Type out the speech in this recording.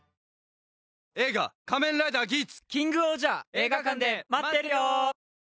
映画館で待ってるよ！